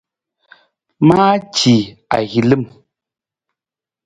Maaci ahilim.